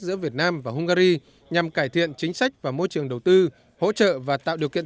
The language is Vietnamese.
giữa việt nam và hungary nhằm cải thiện chính sách và môi trường đầu tư hỗ trợ và tạo điều kiện